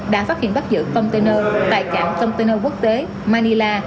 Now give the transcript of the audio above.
đã phát hiện bắt giữ container tại cảng container quốc tế manila